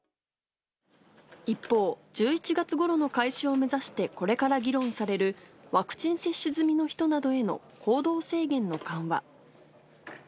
一方、１１月ごろの開始を目指してこれから議論される、ワクチン接種済みの人などへの行動制限の緩和。